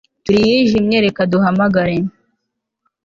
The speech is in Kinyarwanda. turi iyijimye reka duhamagare